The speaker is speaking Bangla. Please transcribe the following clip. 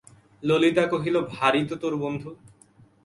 ললিতা কহিল, ভারি তো তোর বন্ধু!